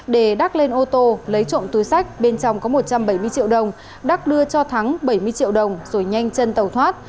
để đắc lên ô tô lấy trộm túi sách bên trong có một trăm bảy mươi triệu đồng đắc đưa cho thắng bảy mươi triệu đồng rồi nhanh chân tàu thoát